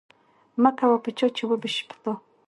مه کوه په چا چې وبه شي پر تا